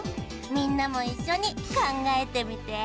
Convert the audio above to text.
みんなもいっしょにかんがえてみて。